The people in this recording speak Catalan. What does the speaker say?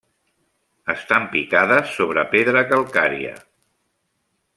Estan picades sobre pedra calcària.